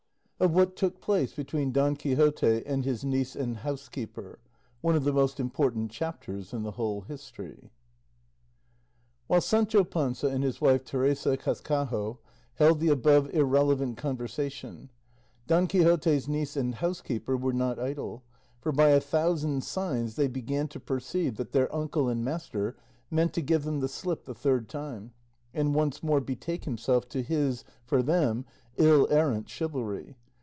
OF WHAT TOOK PLACE BETWEEN DON QUIXOTE AND HIS NIECE AND HOUSEKEEPER; ONE OF THE MOST IMPORTANT CHAPTERS IN THE WHOLE HISTORY While Sancho Panza and his wife, Teresa Cascajo, held the above irrelevant conversation, Don Quixote's niece and housekeeper were not idle, for by a thousand signs they began to perceive that their uncle and master meant to give them the slip the third time, and once more betake himself to his, for them, ill errant chivalry.